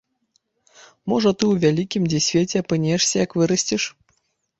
Можа ты ў вялікім дзе свеце апынешся, як вырасцеш.